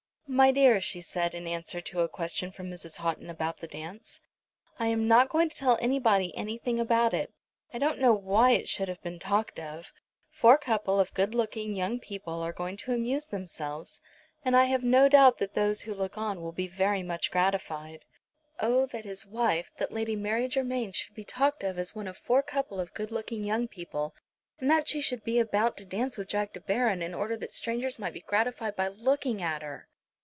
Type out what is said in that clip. "My dear," she said in answer to a question from Mrs. Houghton about the dance, "I am not going to tell anybody anything about it. I don't know why it should have been talked of. Four couple of good looking young people are going to amuse themselves, and I have no doubt that those who look on will be very much gratified." Oh, that his wife, that Lady Mary Germain, should be talked of as one of "four couple of good looking young people," and that she should be about to dance with Jack De Baron, in order that strangers might be gratified by looking at her!